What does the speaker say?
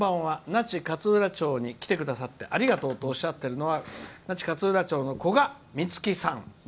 那智勝浦町に来てくださってありがとう」とおっしゃってるのは那智勝浦町の、こがみつきさん